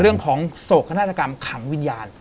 เรื่องของโศกนาฏกรรมขังวิญญาณ